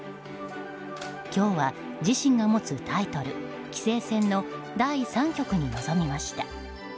今日は自身が持つタイトル棋聖戦の第３局に臨みました。